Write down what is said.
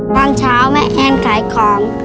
ตอนเช้าแม่แอนขายของ